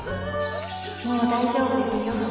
もう大丈夫ですよ